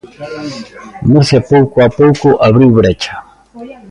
Murcia pouco a pouco abriu brecha.